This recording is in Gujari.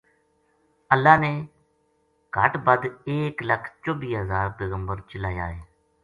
اللہ نے کہٹ بدھ ایک لکھ چبی ہزار پیغمبر چلایا ہیں۔